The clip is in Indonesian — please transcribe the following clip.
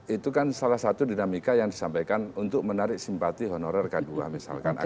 itu kan salah satu dinamika yang disampaikan untuk menarik simpati honorer k dua misalkan